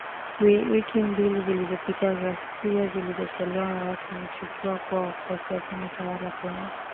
Wiki mbili zilizopita, ghasia zilichochewa na watu wanaoshukiwa kuwa wafuasi wa chama tawala kwenye mkutano